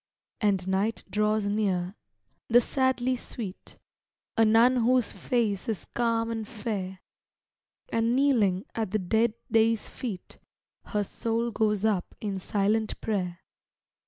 And night draws near, the sadly sweet A nun whose face is calm and fair And kneeling at the dead day's feet Her soul goes up in silent prayer.